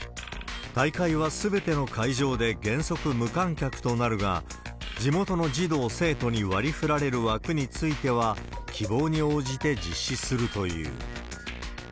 大会はすべての会場で原則無観客となるが、地元の児童・生徒に割り振られる枠については、希望に応じて実施するという。